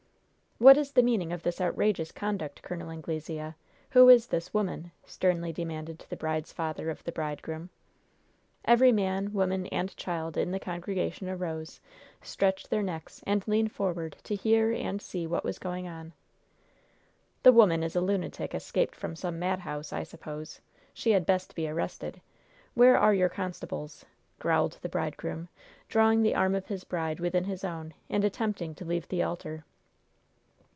"What is the meaning of this outrageous conduct, Col. Anglesea? Who is this woman?" sternly demanded the bride's father of the bridegroom. Every man, woman and child in the congregation arose, stretched their necks and leaned forward to hear and see what was going on. "The woman is a lunatic escaped from some madhouse, I suppose. She had best be arrested. Where are your constables?" growled the bridegroom, drawing the arm of his bride within his own and attempting to leave the altar.